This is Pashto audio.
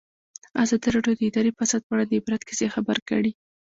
ازادي راډیو د اداري فساد په اړه د عبرت کیسې خبر کړي.